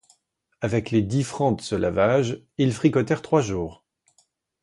Avec les dix francs de ce lavage, ils fricotèrent trois jours.